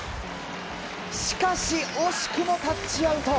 しかし、惜しくもタッチアウト。